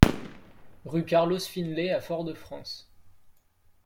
Rue Carlos Finlay à Fort-de-France